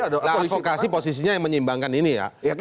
nah avokasi posisinya yang menyimbangkan ini ya